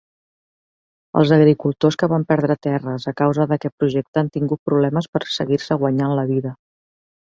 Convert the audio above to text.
Els agricultors que van perdre terres a causa d'aquest projecte han tingut problemes per seguir-se guanyant la vida.